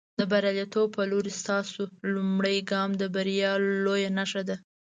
د برياليتوب په لورې، ستاسو لومړنی ګام د بریا لویه نښه ده.